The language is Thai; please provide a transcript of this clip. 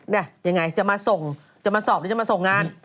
เนี่ยยังไงจะมาส่งจะมาสอบหรือจะมาส่งงาน